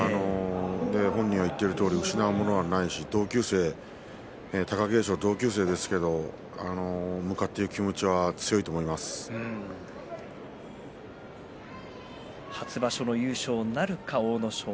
本人が言ってるとおり失うものはないし貴景勝は同級生ですけれども向かっていく気持ちは初場所の優勝なるか阿武咲。